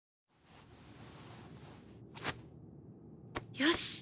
よし！